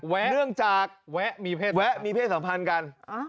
แวะมีเพศสัมพันธ์กัน